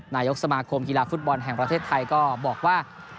นายกสมาคมกีฬาฟุตบอลแห่งประเทศไทยก็บอกว่า